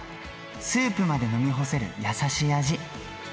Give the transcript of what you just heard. スープまで飲み干せる優しい味。